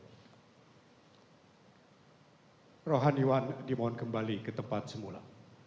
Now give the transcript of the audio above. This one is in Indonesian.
mohon kembali ke tempat semula